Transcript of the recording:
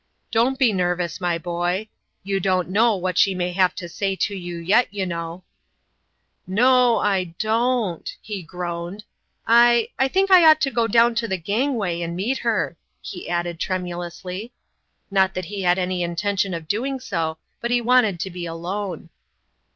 " Don't be nervous, my boy. You don't know what she may have to say to you yet, you know !"" "No, I don't !" he groaned. " I I think I ought to go down to the gangway and meet her," he added, tremulously not that he had any intention of doing so, but he wanted to be alone.